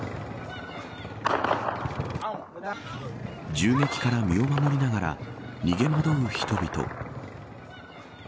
銃撃から身を守りながら逃げ惑う人々。